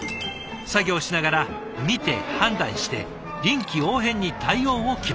作業しながら見て判断して臨機応変に対応を決める。